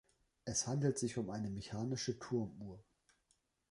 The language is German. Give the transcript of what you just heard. Es handelt sich um eine mechanische Turmuhr.